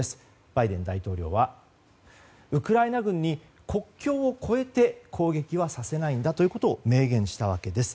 バイデン大統領はウクライナ軍に国境を越えて攻撃はさせないんだということを明言したわけです。